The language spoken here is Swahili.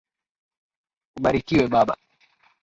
Ubarikiwe baba.